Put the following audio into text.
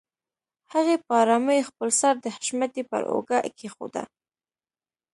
هغې په آرامۍ خپل سر د حشمتي پر اوږه کېښوده.